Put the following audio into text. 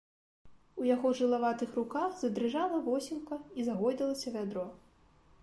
У яго жылаватых руках задрыжала восілка і загойдалася вядро.